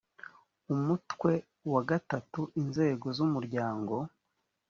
umutwe gatatu inzego z umuryango